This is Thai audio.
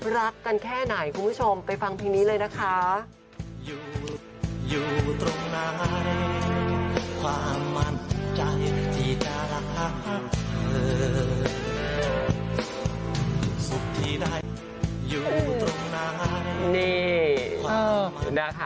รักกันแค่ไหนคุณผู้ชมไปฟังเพลงนี้เลยนะคะ